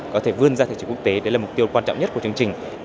có thể vươn ra thị trường quốc tế đấy là mục tiêu quan trọng nhất của chương trình